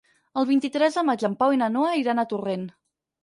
El vint-i-tres de maig en Pau i na Noa iran a Torrent.